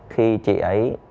khi chị ấy